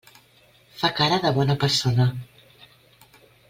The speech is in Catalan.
Fa cara de bona persona.